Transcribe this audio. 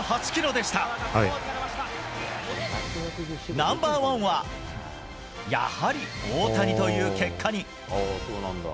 ナンバー１はやはり、大谷という結果に。